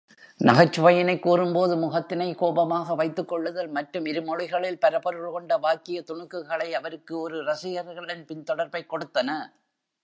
நகைச்சுவையையினை கூறும்போது முகத்தினை கோபமாக வைத்துக்கொள்ளுதல் மற்றும் இருமொழிகளில் பலபொருள் கொண்ட வாக்கிய துணுக்குகளை அவருக்கு ஒரு ரசிகர்களின் பின்தொடர்பைக் கொடுத்தன.